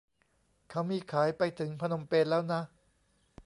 เขามีขายไปถึงพนมเปญแล้วนะ